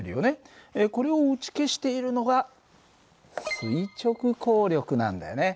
これを打ち消しているのが垂直抗力なんだよね。